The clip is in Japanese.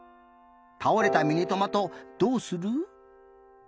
たおれたミニトマトどうする？